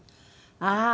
ああ！